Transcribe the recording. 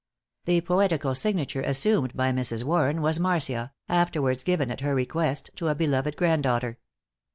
The poetical signature assumed by Mrs. Warren was "Marcia," afterwards given at her request to a beloved granddaughter.